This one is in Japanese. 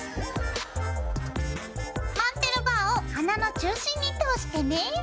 マンテルバーを花の中心に通してね。